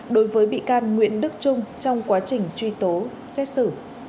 đối với bị can nguyễn đức trung trong quá trình truy tố xét xử